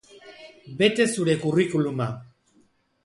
Bete zure curriculum-a.